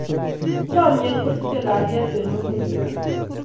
Chomnyet kosichei kalyet eng muguleldo.